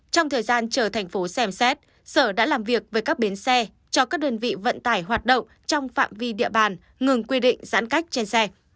trong thời gian chờ thành phố xem xét sở đã làm việc với các bến xe cho các đơn vị vận tải hoạt động trong phạm vi địa bàn ngừng quy định giãn cách trên xe